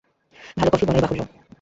ভালো কফি বলাই বাহুল্য।